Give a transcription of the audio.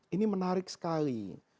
ini menarik sekali